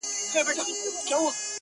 او د پخې غوښې خوړل